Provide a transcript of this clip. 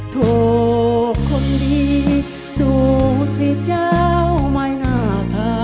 โทษคนดีดูสิเจ้าไม่หน่าทำ